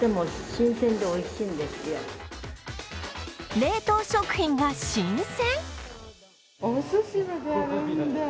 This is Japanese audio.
冷凍食品が新鮮！？